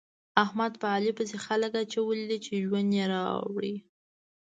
احمد په علي پسې خلګ اچولي دي چې ژوند يې راوړي.